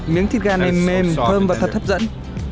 miếng thịt gà nền mềm thơm và thật hấp dẫn